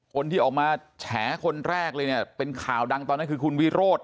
คนที่ออกมาแฉคนแรกเลยเนี่ยเป็นข่าวดังตอนนั้นคือคุณวิโรธ